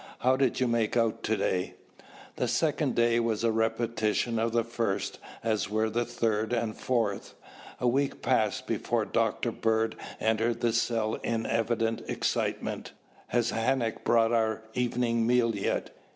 How did you make out to day?" The second day was a repetition of the first, as were the third and fourth. A week passed before Dr. Bird entered the cell in evident excitement. "Has Hanac brought our evening food yet?"